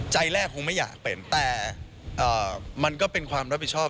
ใจแรกคงไม่อยากเป็นแต่มันก็เป็นความรับผิดชอบ